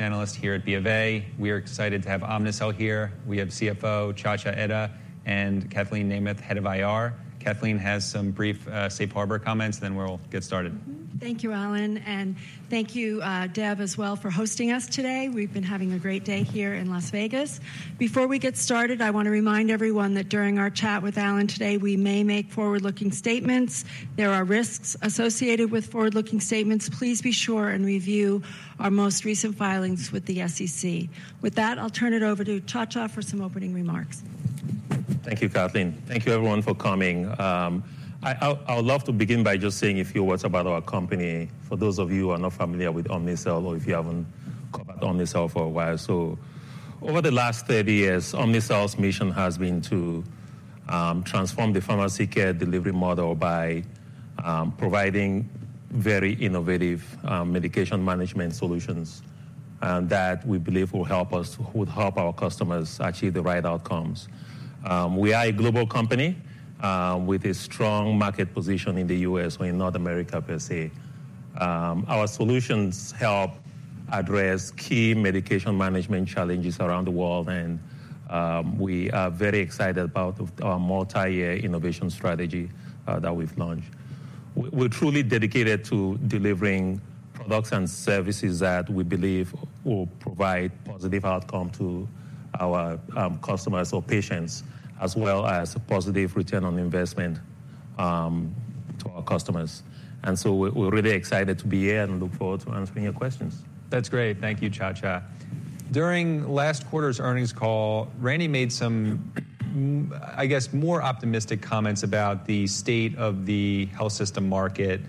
Analyst here at BofA. We are excited to have Omnicell here. We have CFO, Nchacha Etta, and Kathleen Nemeth, Head of IR. Kathleen has some brief safe harbor comments, then we'll get started. Thank you, Allen, and thank you, Dev, as well, for hosting us today. We've been having a great day here in Las Vegas. Before we get started, I want to remind everyone that during our chat with Allen today, we may make forward-looking statements. There are risks associated with forward-looking statements. Please be sure and review our most recent filings with the SEC. With that, I'll turn it over to Nchacha for some opening remarks. Thank you, Kathleen. Thank you everyone for coming. I would love to begin by just saying a few words about our company, for those of you who are not familiar with Omnicell or if you haven't covered Omnicell for a while. Over the last 30 years, Omnicell's mission has been to transform the pharmacy care delivery model by providing very innovative medication management solutions, and that we believe will help us-would help our customers achieve the right outcomes. We are a global company with a strong market position in the U.S. or in North America, per se. Our solutions help address key medication management challenges around the world, and we are very excited about our multi-year innovation strategy that we've launched. We're truly dedicated to delivering products and services that we believe will provide positive outcome to our customers or patients, as well as a positive return on investment to our customers. And so we're really excited to be here and look forward to answering your questions. That's great. Thank you, Nchacha. During last quarter's earnings call, Randy made some, I guess, more optimistic comments about the state of the health system market.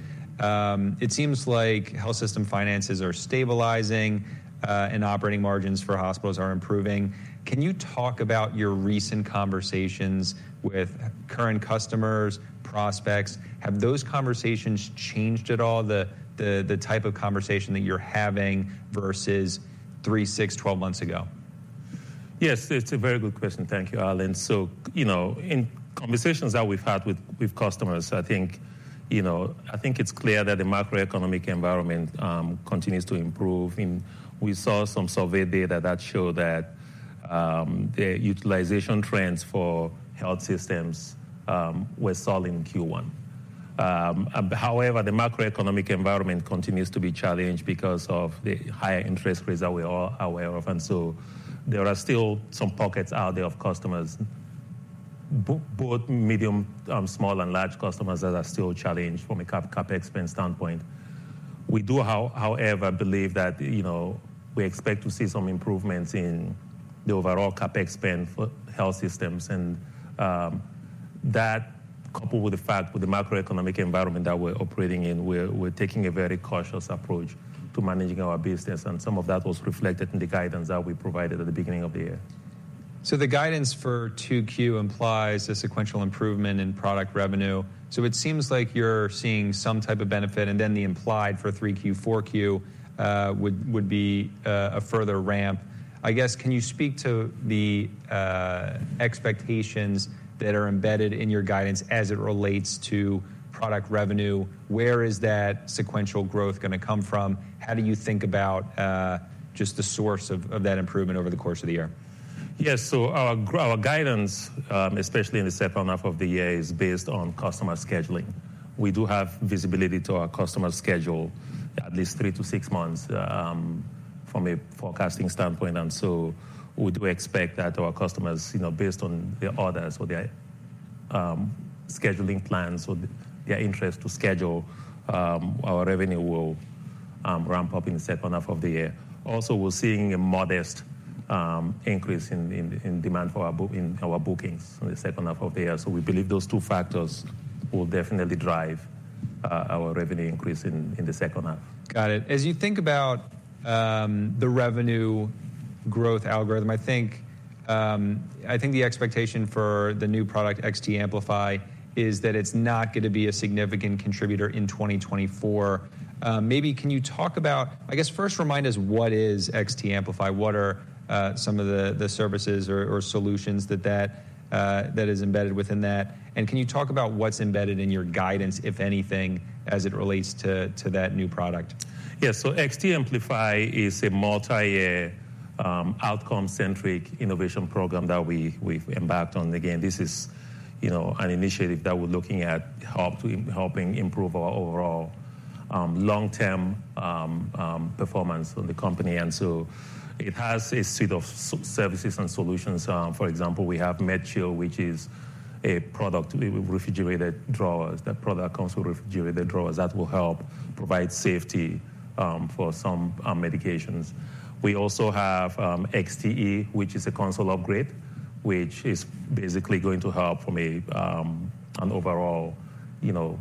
It seems like health system finances are stabilizing, and operating margins for hospitals are improving. Can you talk about your recent conversations with current customers, prospects? Have those conversations changed at all, the type of conversation that you're having versus three, six, 12 months ago? Yes, it's a very good question. Thank you, Allen. So, you know, in conversations that we've had with customers, I think, you know, I think it's clear that the macroeconomic environment continues to improve. And we saw some survey data that showed that the utilization trends for health systems were solid in Q1. However, the macroeconomic environment continues to be challenged because of the higher interest rates that we are aware of. And so there are still some pockets out there of customers, both medium, small and large customers, that are still challenged from a CapEx spend standpoint. We do, however, believe that, you know, we expect to see some improvements in the overall CapEx spend for health systems. And that, coupled with the macroeconomic environment that we're operating in, we're taking a very cautious approach to managing our business, and some of that was reflected in the guidance that we provided at the beginning of the year. So the guidance for 2Q implies a sequential improvement in product revenue. So it seems like you're seeing some type of benefit, and then the implied for 3Q, 4Q, would be a further ramp. I guess, can you speak to the expectations that are embedded in your guidance as it relates to product revenue? Where is that sequential growth gonna come from? How do you think about just the source of that improvement over the course of the year? Yes. So our guidance, especially in the second half of the year, is based on customer scheduling. We do have visibility to our customer schedule at least three to six months, from a forecasting standpoint, and so we do expect that our customers, you know, based on their orders or their, scheduling plans or their interest to schedule, our revenue will, ramp up in the second half of the year. Also, we're seeing a modest increase in demand for our bookings in the second half of the year. So we believe those two factors will definitely drive, our revenue increase in the second half. Got it. As you think about the revenue growth algorithm, I think the expectation for the new product, XT Amplify, is that it's not gonna be a significant contributor in 2024. Maybe can you talk about... I guess, first remind us, what is XT Amplify? What are some of the services or solutions that is embedded within that? And can you talk about what's embedded in your guidance, if anything, as it relates to that new product? Yes. So XT Amplify is a multi-year, outcome-centric innovation program that we've embarked on. Again, this is, you know, an initiative that we're looking at helping improve our overall, long-term, performance of the company. And so it has a set of services and solutions. For example, we have MedChill, which is a product with refrigerated drawers. That product comes with refrigerated drawers that will help provide safety, for some medications. We also have XTE, which is a console upgrade, which is basically going to help from an overall, you know,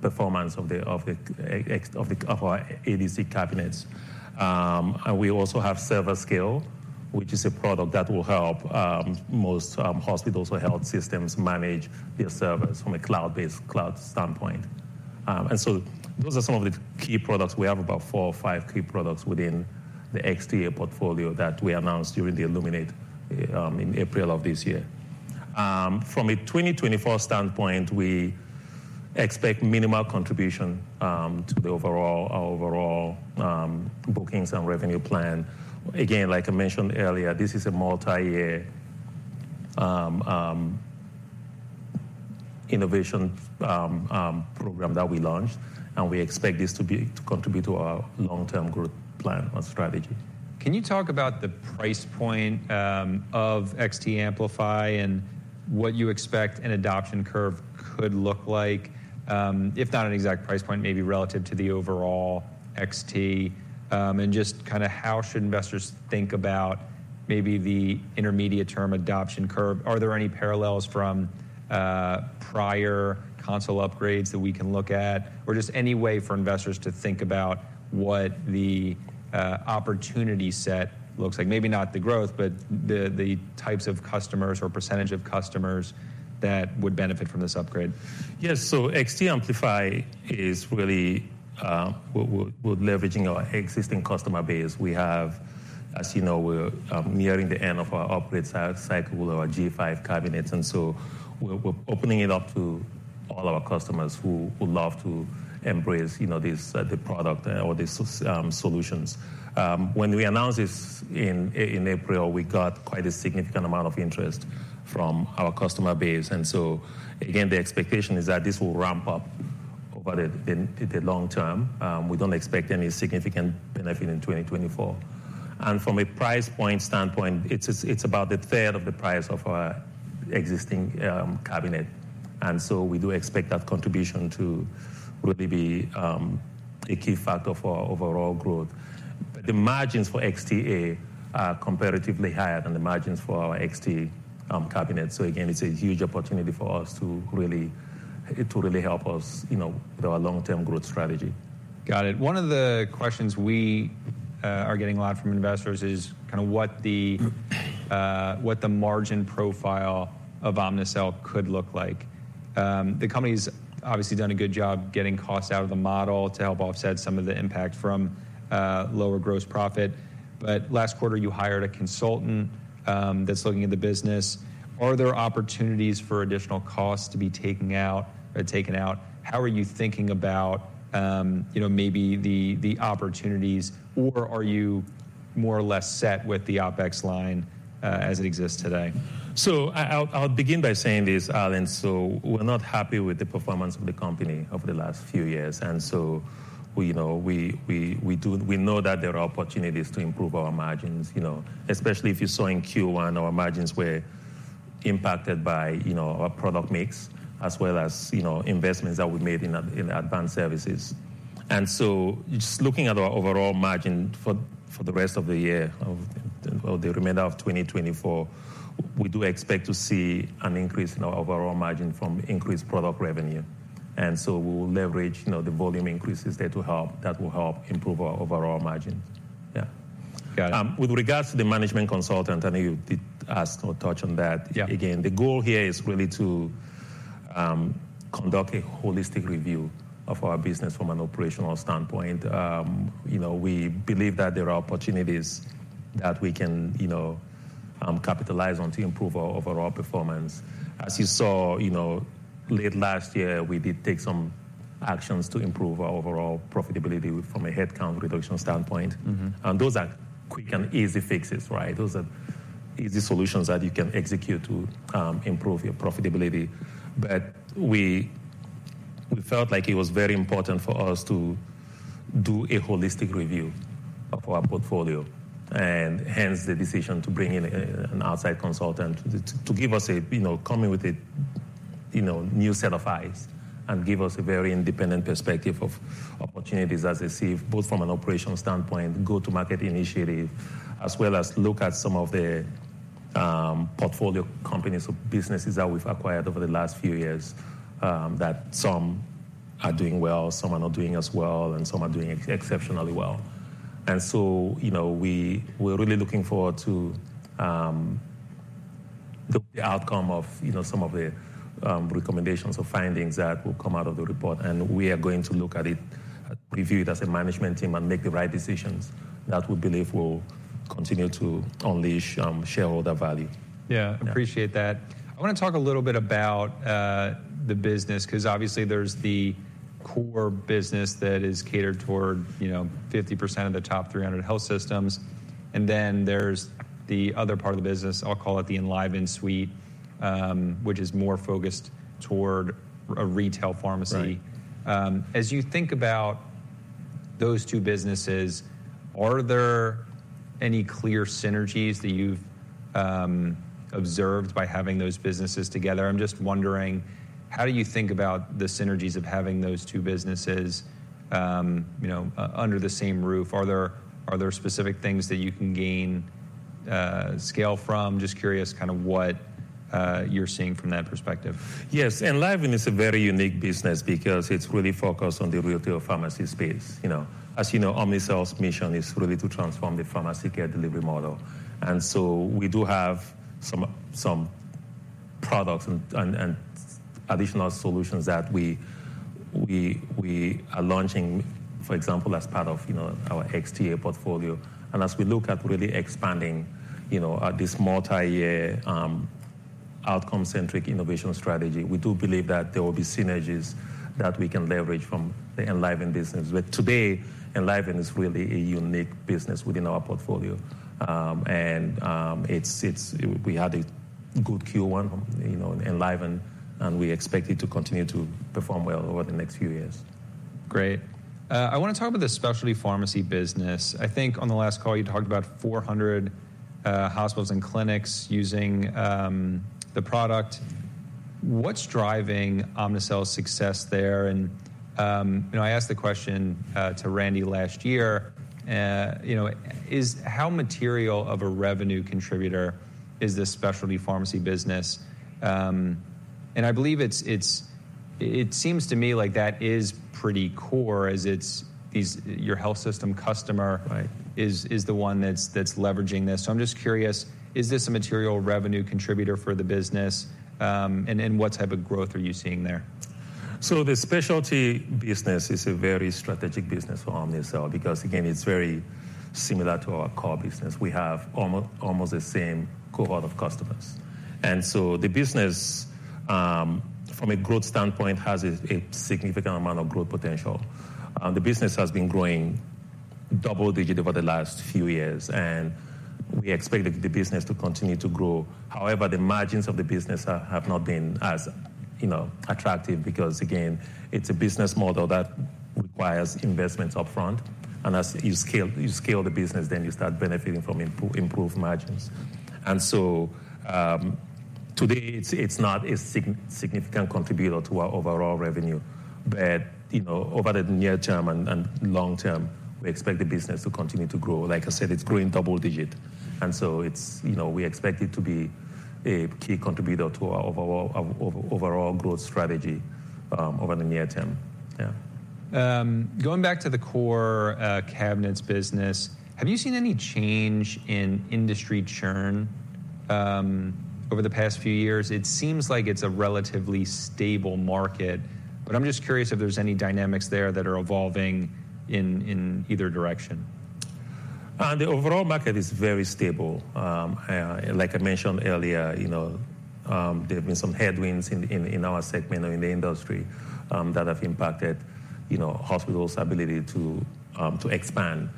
performance of the XT of our ADC cabinets. And we also have ServerScale, which is a product that will help most hospitals or health systems manage their servers from a cloud-based cloud standpoint. Those are some of the key products. We have about four or five key products within the XT portfolio that we announced during the Illuminate in April of this year. From a 2024 standpoint, we expect minimal contribution to the overall bookings and revenue plan. Again, like I mentioned earlier, this is a multi-year innovation program that we launched, and we expect this to contribute to our long-term growth plan and strategy. Can you talk about the price point of XT Amplify and what you expect an adoption curve could look like? If not an exact price point, maybe relative to the overall XT. Just kind of how should investors think about maybe the intermediate-term adoption curve? Are there any parallels from prior console upgrades that we can look at? Or just any way for investors to think about what the opportunity set looks like. Maybe not the growth, but the types of customers or percentage of customers that would benefit from this upgrade. Yes. So XT Amplify is really, we're leveraging our existing customer base. As you know, we're nearing the end of our upgrade cycle of our G5 cabinets, and so we're opening it up to all our customers who would love to embrace, you know, this, the product or these solutions. When we announced this in April, we got quite a significant amount of interest from our customer base. And so, again, the expectation is that this will ramp up over the long term. We don't expect any significant benefit in 2024. And from a price point standpoint, it's about a third of the price of our existing cabinet. And so we do expect that contribution to really be a key factor for our overall growth. The margins for XTA are comparatively higher than the margins for our XT cabinet. So again, it's a huge opportunity for us to really help us, you know, with our long-term growth strategy. Got it. One of the questions we are getting a lot from investors is kind of what the margin profile of Omnicell could look like. The company's obviously done a good job getting costs out of the model to help offset some of the impact from lower gross profit. But last quarter, you hired a consultant that's looking at the business. Are there opportunities for additional costs to be taken out or taken out? How are you thinking about, you know, maybe the opportunities, or are you more or less set with the OpEx line as it exists today? So I'll begin by saying this, Allen: so we're not happy with the performance of the company over the last few years, and so, you know, we know that there are opportunities to improve our margins, you know. Especially if you saw in Q1, our margins were impacted by, you know, our product mix, as well as, you know, investments that we made in advanced services. And so just looking at our overall margin for the rest of the year, of the remainder of 2024, we do expect to see an increase in our overall margin from increased product revenue. And so we will leverage, you know, the volume increases there to help—that will help improve our overall margin. Yeah. Got it. With regards to the management consultant, I know you did ask or touch on that. Yeah. Again, the goal here is really to conduct a holistic review of our business from an operational standpoint. You know, we believe that there are opportunities that we can, you know, capitalize on to improve our overall performance. As you saw, you know, late last year, we did take some actions to improve our overall profitability with from a headcount reduction standpoint. Those are quick and easy fixes, right? Those are easy solutions that you can execute to improve your profitability. But we, we felt like it was very important for us to do a holistic review of our portfolio, and hence the decision to bring in an outside consultant to give us, you know, come in with a, you know, new set of eyes and give us a very independent perspective of opportunities as they see, both from an operational standpoint, go-to-market initiative, as well as look at some of the portfolio companies or businesses that we've acquired over the last few years, that some are doing well, some are not doing as well, and some are doing exceptionally well. So, you know, we're really looking forward to the outcome of, you know, some of the recommendations or findings that will come out of the report, and we are going to look at it, review it as a management team, and make the right decisions that we believe will continue to unleash shareholder value. Yeah. Yeah. Appreciate that. I want to talk a little bit about, the business, 'cause obviously there's the core business that is catered toward, you know, 50% of the top 300 health systems, and then there's the other part of the business, I'll call it the Enliven suite, which is more focused toward a retail pharmacy. Right. As you think about those two businesses, are there any clear synergies that you've observed by having those businesses together? I'm just wondering, how do you think about the synergies of having those two businesses, you know, under the same roof? Are there specific things that you can gain scale from? Just curious kind of what you're seeing from that perspective. Yes, Enliven is a very unique business because it's really focused on the retail pharmacy space, you know. As you know, Omnicell's mission is really to transform the pharmacy care delivery model. And so we do have some products and additional solutions that we are launching, for example, as part of, you know, our XTA portfolio. And as we look at really expanding, you know, this multi-year outcome-centric innovation strategy, we do believe that there will be synergies that we can leverage from the Enliven business. But today, Enliven is really a unique business within our portfolio. And we had a good Q1, you know, Enliven, and we expect it to continue to perform well over the next few years. Great. I want to talk about the specialty pharmacy business. I think on the last call, you talked about 400 hospitals and clinics using the product. What's driving Omnicell's success there? And, you know, I asked the question to Randy last year, you know, is how material of a revenue contributor is this specialty pharmacy business? And I believe it's it seems to me like that is pretty core, as it's is your health system customer- Right. Is the one that's leveraging this. So I'm just curious, is this a material revenue contributor for the business? And what type of growth are you seeing there? So the specialty business is a very strategic business for Omnicell because, again, it's very similar to our core business. We have almost the same cohort of customers. So the business from a growth standpoint has a significant amount of growth potential. The business has been growing double digit over the last few years, and we expect the business to continue to grow. However, the margins of the business have not been as, you know, attractive because, again, it's a business model that requires investments upfront, and as you scale, you scale the business, then you start benefiting from improved margins. So today, it's not a significant contributor to our overall revenue. But, you know, over the near term and long term, we expect the business to continue to grow. Like I said, it's growing double digit, and so it's, you know, we expect it to be a key contributor to our overall growth strategy over the near term. Yeah. Going back to the core cabinets business, have you seen any change in industry churn over the past few years? It seems like it's a relatively stable market, but I'm just curious if there's any dynamics there that are evolving in either direction. The overall market is very stable. Like I mentioned earlier, you know, there have been some headwinds in our segment or in the industry that have impacted, you know, hospitals' ability to expand.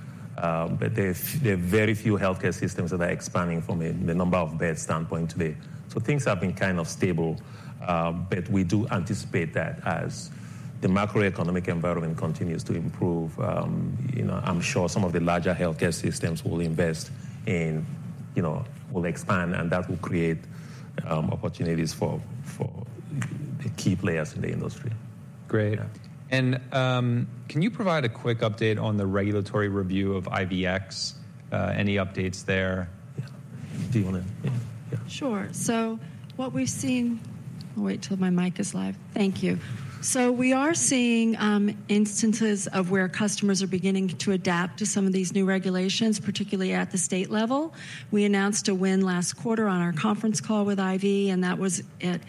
But there are very few healthcare systems that are expanding from a number of beds standpoint today. So things have been kind of stable, but we do anticipate that as the macroeconomic environment continues to improve, you know, I'm sure some of the larger healthcare systems will invest in, you know, will expand, and that will create opportunities for the key players in the industry. Great. Yeah. Can you provide a quick update on the regulatory review of IVX? Any updates there? Yeah. Do you wanna? Yeah. Sure. So what we've seen... I'll wait till my mic is live. Thank you. So we are seeing instances of where customers are beginning to adapt to some of these new regulations, particularly at the state level. We announced a win last quarter on our conference call with IV, and that was at,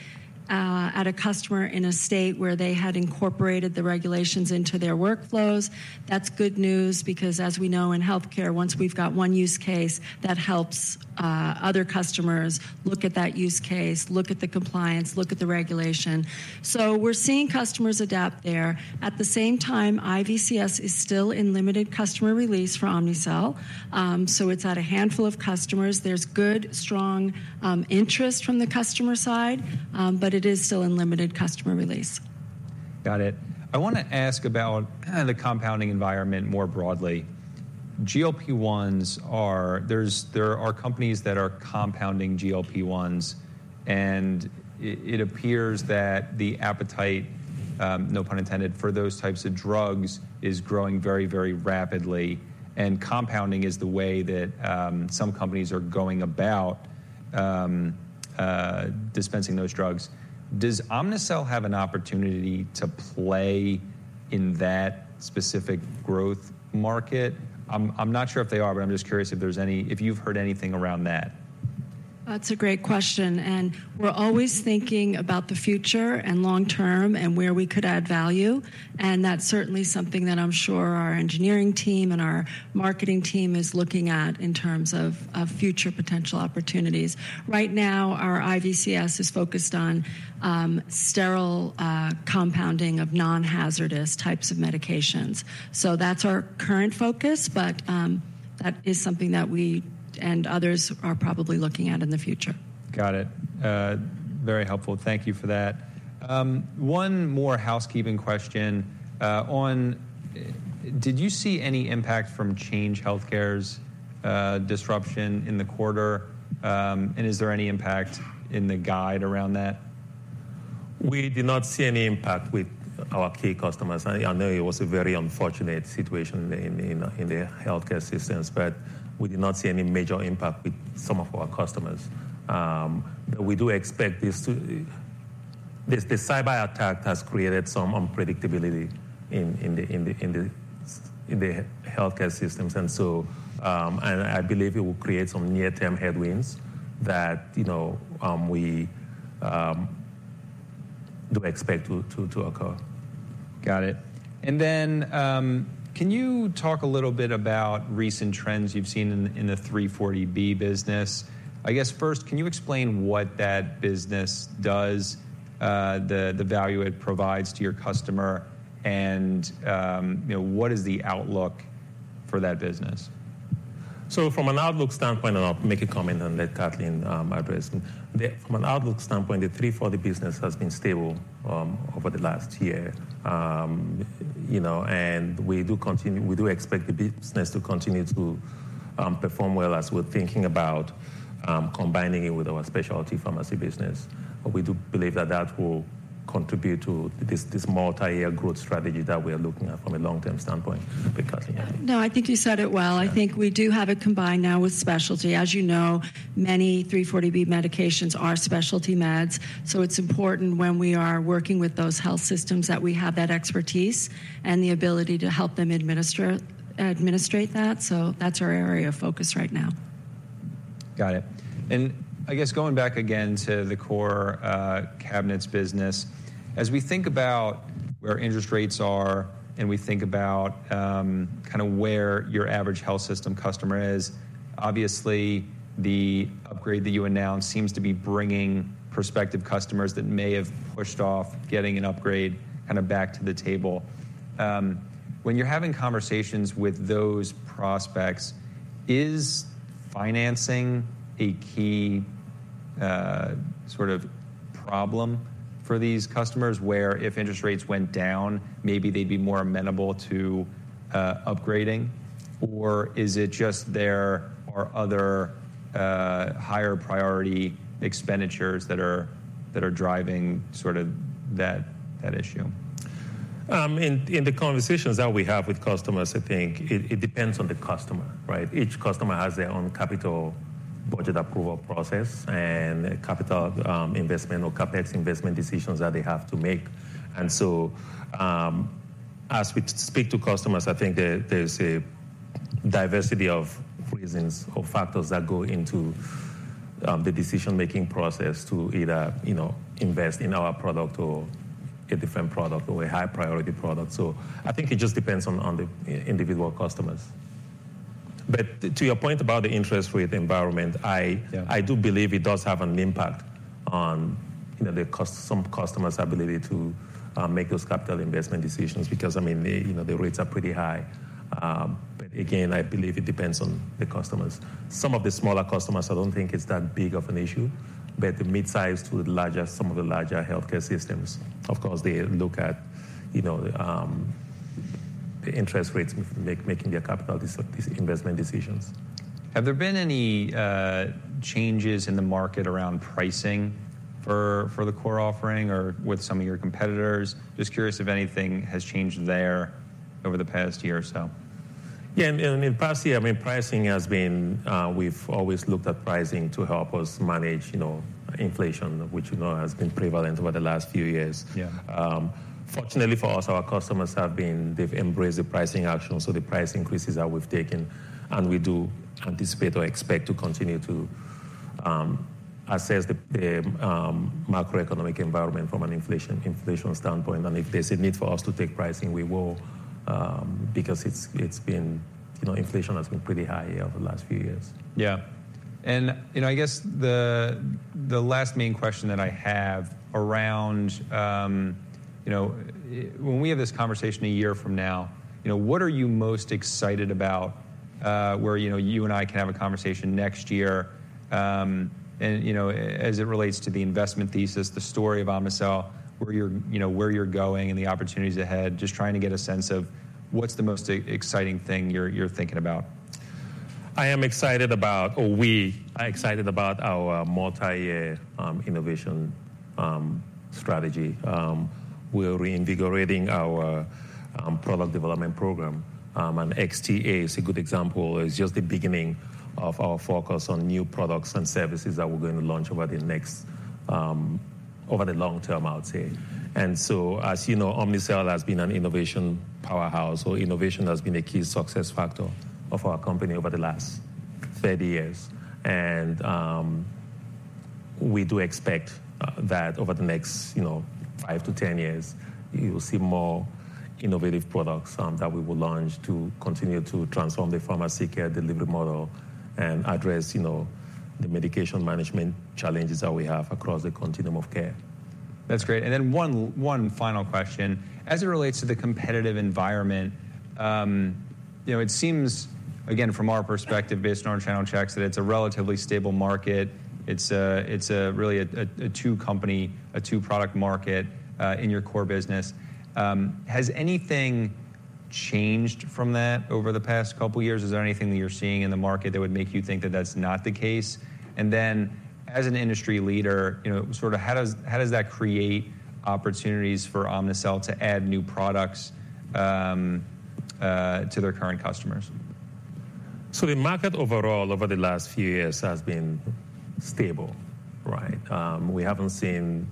at a customer in a state where they had incorporated the regulations into their workflows. That's good news because, as we know in healthcare, once we've got one use case, that helps other customers look at that use case, look at the compliance, look at the regulation. So we're seeing customers adapt there. At the same time, IVCS is still in limited customer release for Omnicell. So it's at a handful of customers. There's good, strong interest from the customer side, but it is still in limited customer release. Got it. I want to ask about kind of the compounding environment more broadly. GLP-1s are. There are companies that are compounding GLP-1s, and it appears that the appetite, no pun intended, for those types of drugs is growing very, very rapidly, and compounding is the way that some companies are going about dispensing those drugs. Does Omnicell have an opportunity to play in that specific growth market? I'm not sure if they are, but I'm just curious if you've heard anything around that. That's a great question, and we're always thinking about the future and long term and where we could add value, and that's certainly something that I'm sure our engineering team and our marketing team is looking at in terms of future potential opportunities. Right now, our IVCS is focused on sterile compounding of non-hazardous types of medications. So that's our current focus, but that is something that we and others are probably looking at in the future. Got it. Very helpful. Thank you for that. One more housekeeping question on... Did you see any impact from Change Healthcare's disruption in the quarter? And is there any impact in the guide around that? We did not see any impact with our key customers. I know it was a very unfortunate situation in the healthcare systems, but we did not see any major impact with some of our customers. We do expect this to... This cyberattack has created some unpredictability in the healthcare systems. And so, and I believe it will create some near-term headwinds that, you know, we do expect to occur. Got it. And then, can you talk a little bit about recent trends you've seen in the 340B business? I guess, first, can you explain what that business does, the value it provides to your customer, and, you know, what is the outlook for that business? So from an outlook standpoint, and I'll make a comment, and let Kathleen address. From an outlook standpoint, the 340B business has been stable over the last year. You know, and we do continue—we do expect the business to continue to perform well as we're thinking about combining it with our specialty pharmacy business. But we do believe that that will contribute to this multi-year growth strategy that we are looking at from a long-term standpoint. But Kathleen? No, I think you said it well. Yeah. I think we do have it combined now with specialty. As you know, many 340B medications are specialty meds, so it's important when we are working with those health systems, that we have that expertise and the ability to help them administrate that. So that's our area of focus right now. Got it. And I guess going back again to the core cabinets business, as we think about where interest rates are and we think about kind of where your average health system customer is, obviously, the upgrade that you announced seems to be bringing prospective customers that may have pushed off getting an upgrade kind of back to the table. When you're having conversations with those prospects, is financing a key sort of problem for these customers, where if interest rates went down, maybe they'd be more amenable to upgrading? Or is it just there are other higher priority expenditures that are driving sort of that issue? In the conversations that we have with customers, I think it depends on the customer, right? Each customer has their own capital budget approval process and capital investment or CapEx investment decisions that they have to make. And so, as we speak to customers, I think there's a diversity of reasons or factors that go into the decision-making process to either, you know, invest in our product or a different product or a high-priority product. So I think it just depends on the individual customers. But to your point about the interest rate environment. Yeah. I do believe it does have an impact on, you know, the cost, some customers' ability to make those capital investment decisions because, I mean, the, you know, the rates are pretty high. But again, I believe it depends on the customers. Some of the smaller customers, I don't think it's that big of an issue, but the midsize to the larger, some of the larger healthcare systems, of course, they look at, you know, the interest rates making their capital investment decisions. Have there been any changes in the market around pricing for, for the core offering or with some of your competitors? Just curious if anything has changed there over the past year or so. Yeah, and the past year, I mean, pricing has been. We've always looked at pricing to help us manage, you know, inflation, which, you know, has been prevalent over the last few years. Yeah. Fortunately for us, our customers have been, they've embraced the pricing action, so the price increases that we've taken, and we do anticipate or expect to continue to assess the macroeconomic environment from an inflation standpoint. And if there's a need for us to take pricing, we will, because it's been, you know, inflation has been pretty high over the last few years. Yeah. And, you know, I guess the last main question that I have around, you know... When we have this conversation a year from now, you know, what are you most excited about, where, you know, you and I can have a conversation next year, and, you know, as it relates to the investment thesis, the story of Omnicell, where you're, you know, where you're going and the opportunities ahead? Just trying to get a sense of what's the most exciting thing you're thinking about. I am excited about- or we are excited about our multi-year, innovation, strategy. We're reinvigorating our, product development program, and XTA is a good example. It's just the beginning of our focus on new products and services that we're going to launch over the next, over the long term, I would say. And so, as you know, Omnicell has been an innovation powerhouse, or innovation has been a key success factor of our company over the last 30 years. And, we do expect, that over the next, you know, 5-10 years, you will see more innovative products, that we will launch to continue to transform the pharmacy care delivery model and address, you know, the medication management challenges that we have across the continuum of care. That's great. And then one final question. As it relates to the competitive environment, you know, it seems, again, from our perspective, based on our channel checks, that it's a relatively stable market. It's really a two company, two-product market in your core business. Has anything changed from that over the past couple of years? Is there anything that you're seeing in the market that would make you think that that's not the case? And then, as an industry leader, you know, sort of how does that create opportunities for Omnicell to add new products to their current customers? So the market overall, over the last few years, has been stable, right? We haven't seen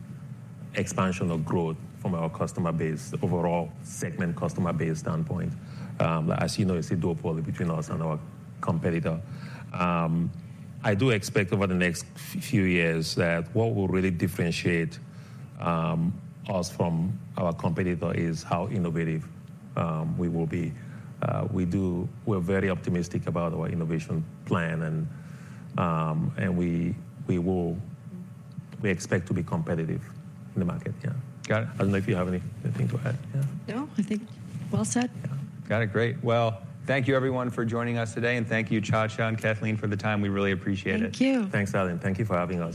expansion or growth from our customer base, overall segment customer base standpoint. As you know, it's a duopoly between us and our competitor. I do expect over the next few years that what will really differentiate us from our competitor is how innovative we will be. We're very optimistic about our innovation plan, and we will, we expect to be competitive in the market. Yeah. Got it. I don't know if you have anything to add. Yeah. No, I think, well said. Got it. Great. Well, thank you everyone for joining us today, and thank you, Nchacha and Kathleen, for the time. We really appreciate it. Thank you. Thanks, Allen. Thank you for having us.